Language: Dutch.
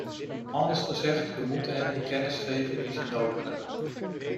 Anders gezegd, we moeten hen de kennis geven die ze nodig hebben.